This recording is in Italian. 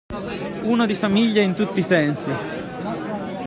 Uno di famiglia in tutti i sensi.